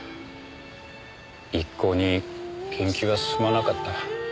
一向に研究は進まなかった。